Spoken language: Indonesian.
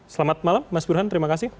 selamat malam mas burhan terima kasih